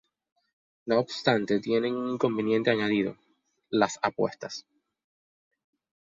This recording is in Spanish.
No obstante tiene un inconveniente añadido, las apuestas.